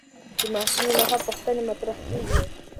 د محصلینو لخوا پوښتنې مطرح کېږي.